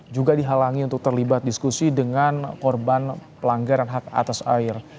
juga dihalangi untuk terlibat diskusi dengan korban pelanggaran hak atas air